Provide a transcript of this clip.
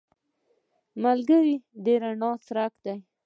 ملګری د رڼا څرک دی